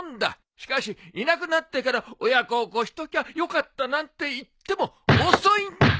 しかしいなくなってから親孝行しときゃよかったなんて言っても遅いんだ！